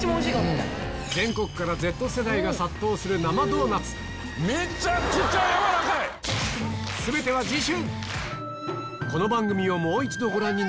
全国からＺ世代が殺到する生ドーナツ全ては次週！